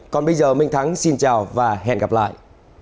còn bây giờ minh thắng xin chào và hẹn gặp lại